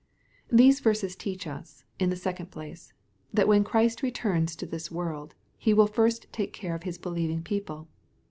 These verses teach us, in the second place, that when Christ returns to this world, He will first taTce care of His believing people.